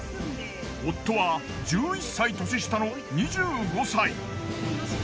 夫は１１歳年下の２５歳。